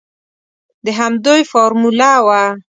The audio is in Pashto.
د همدوی فارموله وه.